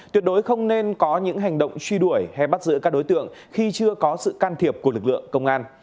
tuyệt đối không nên có những hành động truy đuổi hay bắt giữ các đối tượng khi chưa có sự can thiệp của lực lượng công an